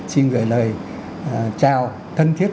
xin gửi lời chào thân thiết